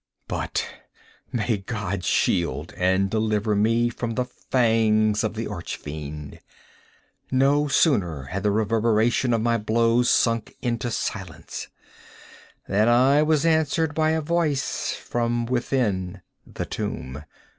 But may God shield and deliver me from the fangs of the Arch Fiend! No sooner had the reverberation of my blows sunk into silence, than I was answered by a voice from within the tomb!